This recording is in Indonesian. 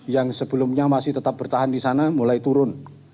yang sebelumnya masih tetap bertahan di sana mulai turun